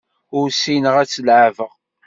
Ur ssineɣ ad tt-leεbeɣ.